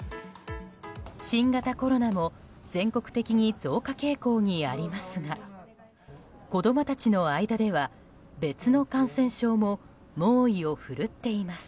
新型コロナも全国的に増加傾向にありますが子供たちの間では別の感染症も猛威を振るっています。